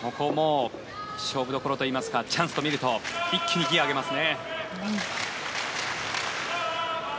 勝負どころといいますかチャンスとみると一気にギアを上げます。